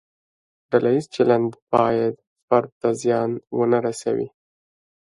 ډله ییز چلند باید فرد ته زیان ونه رسوي.